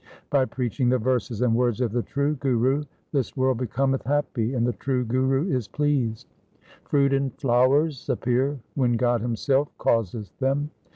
By preaching the verses and words of the true Guru This world becometh happy, and the true Guru is pleased. Fruit and flowers appear when God Himself causeth them.